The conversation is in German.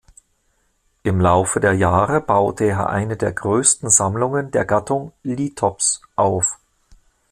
Im Laufe der Jahre baute er eine der größten Sammlungen der Gattung "Lithops" auf.